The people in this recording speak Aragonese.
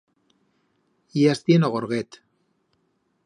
Ye astí en o gortet.